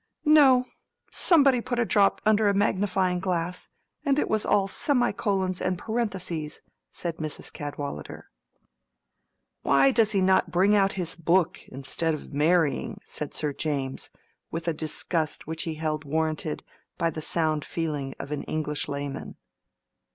"No. Somebody put a drop under a magnifying glass and it was all semicolons and parentheses," said Mrs. Cadwallader. "Why does he not bring out his book, instead of marrying," said Sir James, with a disgust which he held warranted by the sound feeling of an English layman.